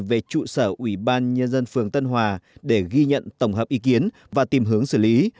về trụ sở ủy ban nhân dân phường tân hòa để ghi nhận tổng hợp ý kiến và tìm hướng xử lý